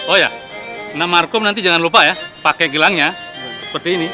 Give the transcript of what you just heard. oh ya enam markum nanti jangan lupa ya pakai gelangnya seperti ini